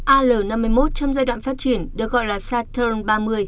al năm mươi một trong giai đoạn phát triển được gọi là saterre ba mươi